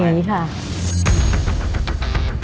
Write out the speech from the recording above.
นี่ค่ะทำไง